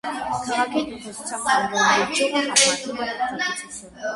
Քաղաքի տնտեսության կարևորագույն ճյուղը համարվում է պտղաբուծությունը։